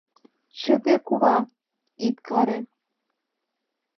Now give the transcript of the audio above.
— Чыте, кува, ит каре!